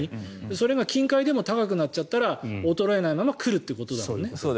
それが近海でも高くなっちゃったら衰えないまま来るってことだよね。